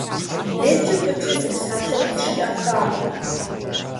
ЕкӀи фӀыкӀи зы псалъэ къызжиӀэфакъым.